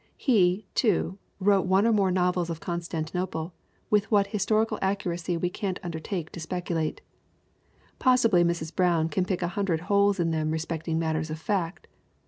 He, too, wrote one or more novels of Constantinople, with what his torical accuracy we can't undertake to speculate. Possibly Mrs. Brown can pick a hundred holes in them respecting matters of fact!